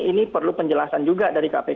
ini perlu penjelasan juga dari kpk